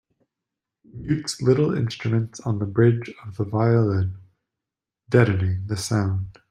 Mutes little instruments on the bridge of the violin, deadening the sound.